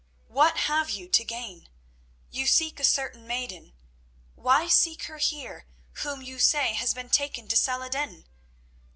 What have you to gain? You seek a certain maiden. Why seek her here whom you say has been taken to Salah ed din?